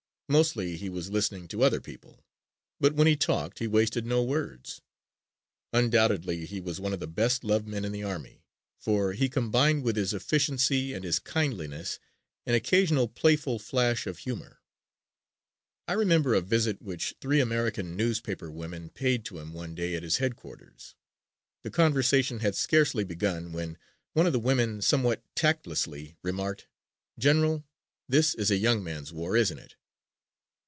Mostly he was listening to other people, but when he talked he wasted no words. Undoubtedly he was one of the best loved men in the army for he combined with his efficiency and his kindliness an occasional playful flash of humor. I remember a visit which three American newspaperwomen paid to him one day at his headquarters. The conversation had scarcely begun when one of the women somewhat tactlessly remarked, "General, this is a young man's war, isn't it?"